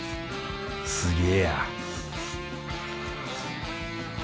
すげえや